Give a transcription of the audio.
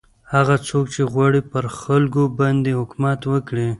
هغه څوک چې غواړي پر خلکو باندې حکومت وکړي.